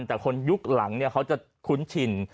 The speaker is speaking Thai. แต่คนยุคหลังเขาจะคุ้นชิน